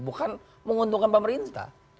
bukan menguntungkan pemerintah